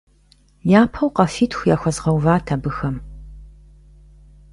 Япэу къафитху яхуэзгъэуват абыхэм.